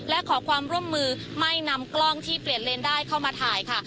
และขอความร่วมมือไม่นำกล้องที่เปลี่ยนเลนได้เข้ามาถ่ายค่ะ